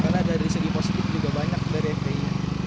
karena dari segi positif juga banyak dari fpi